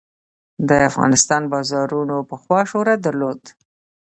د افغانستان بازارونو پخوا شهرت درلود.